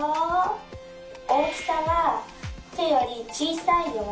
大きさはてよりちいさいよ。